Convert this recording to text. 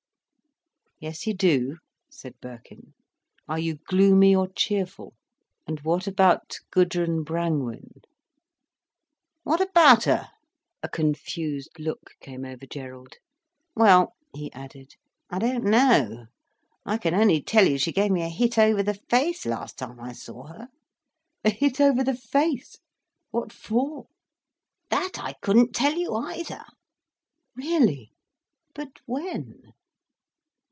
"Yes, you do," said Birkin. "Are you gloomy or cheerful? And what about Gudrun Brangwen?" "What about her?" A confused look came over Gerald. "Well," he added, "I don't know. I can only tell you she gave me a hit over the face last time I saw her." "A hit over the face! What for?" "That I couldn't tell you, either." "Really! But when?"